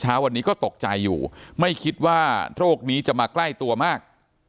เช้าวันนี้ก็ตกใจอยู่ไม่คิดว่าโรคนี้จะมาใกล้ตัวมาก